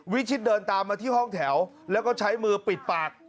วิชิตเดินตามมาที่ห้องแถวแล้วก็ใช้มือปิดปาก